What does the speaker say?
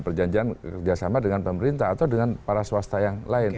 perjanjian kerjasama dengan pemerintah atau dengan para swasta yang lain